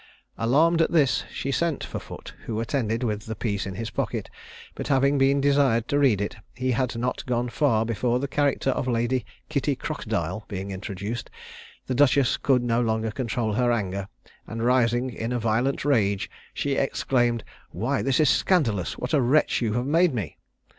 Alarmed at this, she sent for Foote, who attended with the piece in his pocket; but having been desired to read it, he had not gone far before the character of Lady Kitty Crocodile being introduced, the duchess could no longer control her anger, and rising in a violent rage, she exclaimed, "Why, this is scandalous; what a wretch you have made me."